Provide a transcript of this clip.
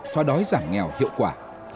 xóa đói giảm nghèo hiệu quả